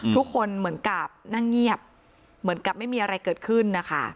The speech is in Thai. เหมือนกับนั่งเงียบเหมือนกับไม่มีอะไรเกิดขึ้นนะคะ